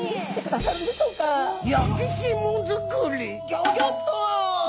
ギョギョッと！